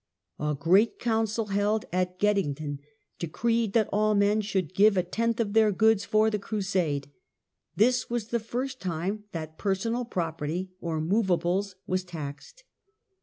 A great council held at Geddington decreed that all men The can to a should give a tenth of their goods for the crasade. Crusade. This was the first time that personal property (movables) was taxed.